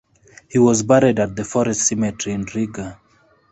He was buried at the Forest Cemetery in Riga.